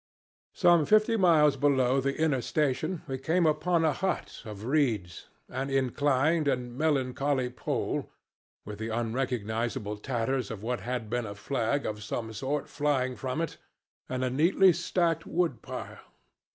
"Some fifty miles below the Inner Station we came upon a hut of reeds, an inclined and melancholy pole, with the unrecognizable tatters of what had been a flag of some sort flying from it, and a neatly stacked woodpile.